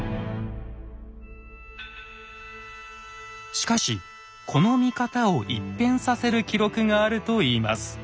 しかしこの見方を一変させる記録があるといいます。